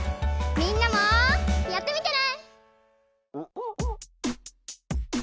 みんなもやってみてね！